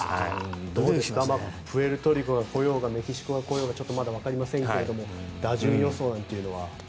プエルトリコが来ようがメキシコが来ようがちょっとまだわかりませんが打順予想なんていうのは。